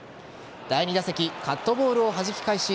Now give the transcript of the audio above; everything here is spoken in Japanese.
第２打席カットボールをはじき返し